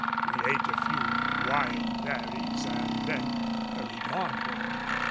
We ate a few wild berries and then hurried onward.